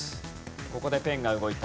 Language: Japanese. ここでペンが動いた。